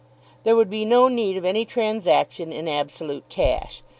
There would be no need of any transaction in absolute cash.